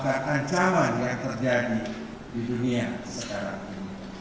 ada ancaman yang terjadi di dunia sekarang ini